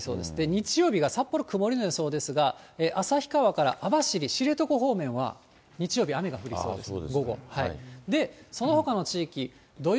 日曜日が札幌曇りの予想ですが、旭川から網走、知床方面は、日曜日雨が降りそうです。